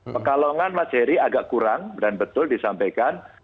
pekalongan mas heri agak kurang dan betul disampaikan